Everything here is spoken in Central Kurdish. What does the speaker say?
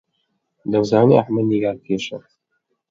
دەمزانی ئەحمەد نیگارکێشە.